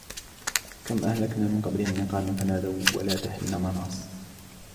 كم أهلكنا من قبلهم من قرن فنادوا ولات حين مناص